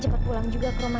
sim ladang cuma